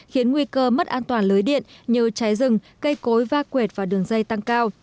khiến nguy cơ mất an toàn lưới điện như cháy rừng cây cối va quệt và đường dây tăng cao